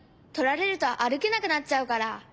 とられるとあるけなくなっちゃうから。